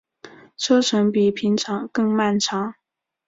车程比平常更漫长